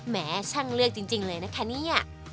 แหมช่างเลือกจริงเลยนะคะเนี่ย